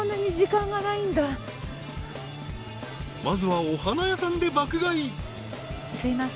［まずはお花屋さんで爆買い］